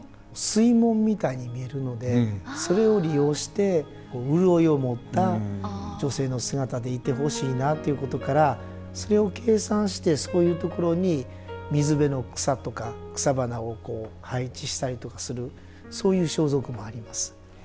水紋みたいに見えるのでそれを利用して潤いを持った女性の姿でいてほしいなということからそれを計算してそういうところに水辺の草とか草花をこう配置したりとかするそういう装束もあります。